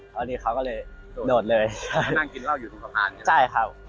พอดีเค้าก็เลยโดดเลย